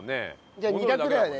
じゃあ２択だよね